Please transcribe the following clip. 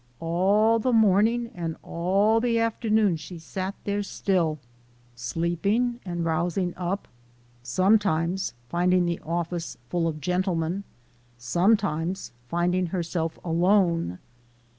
All the morning and all the afternoon she sat there still, sleeping and rousing up sometimes finding the office full of gentlemen sometimes finding herself alone.